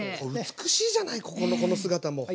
美しいじゃないここのこの姿も。